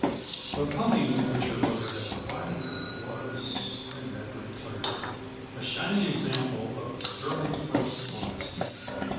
The pony with which her brother had provided her was Ben Radford declared a shining example of sterling horse honesty.